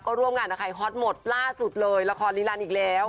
ก็ร่วมงานในไขฮท์ฮอตหมดล่าสุดเลยละครลีลันด์อีกแล้ว